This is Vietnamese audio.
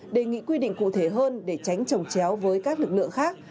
đề nghị quy định cụ thể hơn để tránh trồng chéo với các lực lượng khác